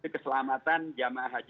keselamatan jemaah haji